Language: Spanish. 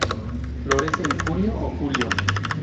Florece en junio o julio.